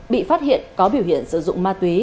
bị phát hiện có biểu hiện sử dụng ma túy